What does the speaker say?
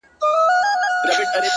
که تریخ دی زما دی’